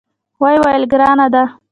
ویې ویل: ګرانه ده.